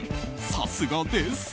さすがです。